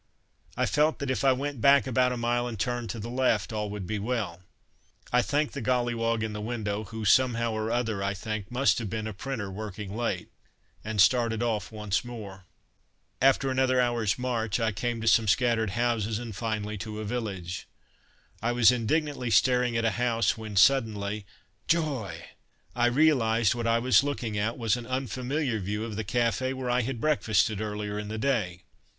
I felt that if I went back about a mile and turned to the left, all would be well. I thanked the gollywog in the window, who, somehow or other, I think must have been a printer working late, and started off once more. After another hour's route march I came to some scattered houses, and finally to a village. I was indignantly staring at a house when suddenly, joy! I realized that what I was looking at was an unfamiliar view of the café where I had breakfasted earlier in the day.